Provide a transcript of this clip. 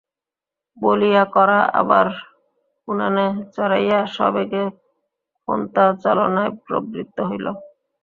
বলিয়া কড়া আবার উনানে চড়াইয়া সবেগে খোন্তা-চালনায় প্রবৃত্ত হইল।